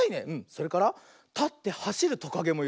それからたってはしるトカゲもいるね。